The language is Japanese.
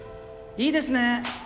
いいですねえ。